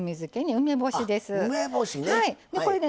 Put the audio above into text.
梅干しね。